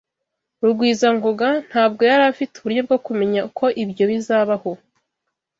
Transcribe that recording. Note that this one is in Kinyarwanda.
Rugwizangoga ntabwo yari afite uburyo bwo kumenya ko ibyo bizabaho.